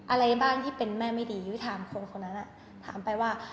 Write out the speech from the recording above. อะไรบ้างที่เป็นแม่ไม่ดียุ้ยถามคนคนนั้นถามไปว่า